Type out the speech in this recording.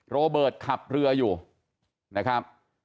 โรเบิร์ตขับเรืออยู่นะครับ